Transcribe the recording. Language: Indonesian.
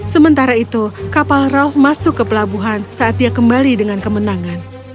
sementara itu kapal rauh masuk ke pelabuhan saat dia kembali dengan kemenangan